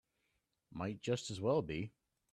Might just as well be.